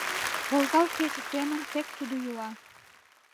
Волгалт кече семын, тек тудо йӱла.